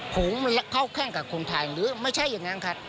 ผมเข้าแข้งกับคนไทยหรือไม่ใช่อย่างนั้นครับ